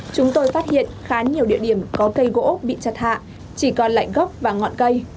chúng tôi phát hiện khá nhiều địa điểm có cây gỗ bị chặt hạ chỉ còn lạnh gốc và ngọn cây